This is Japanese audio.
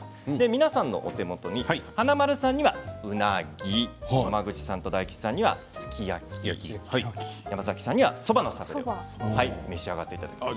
皆さんのお手元に華丸さんにはうなぎ野間口さん大吉さんにはすき焼き山崎さんにはそばのサブレを召し上がっていただきます。